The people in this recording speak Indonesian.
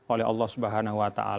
oleh allah swt